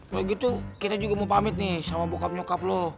kalau gitu kita juga mau pamit nih sama bokap nyokap lo